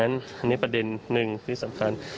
อันนี้ประเด็นหนึ่งที่สำคัญ